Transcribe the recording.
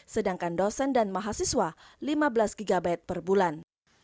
sedangkan dosen dan mahasiswa lima belas gb per bulan